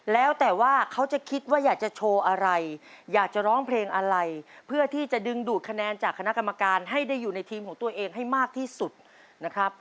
เพราะฉะนั้นคงสนุกแน่นะครับ